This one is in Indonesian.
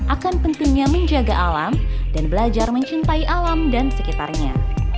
akan pentingnya menjaga alam dan belajar mencintai alam dan sekitarnya